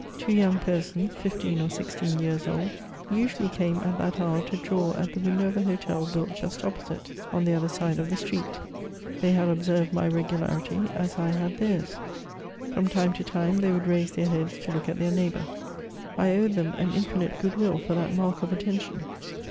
Two young persons, fifteen or sixteen years old, usually came at that hour to draw at the window of a hotel built just opposite, on the other side of the street. They had observed my regularity, as I had theirs. From time to time, 166 MEMOIRS OF thej would raise their heads to look at their neighbour ; I owed them an infinite good will for that mark of attention.